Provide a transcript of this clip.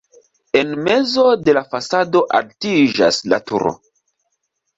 En mezo de la fasado altiĝas la turo.